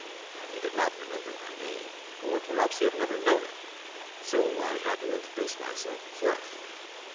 He did not remember my name, or perhaps he had never known it, so I had to introduce myself afresh.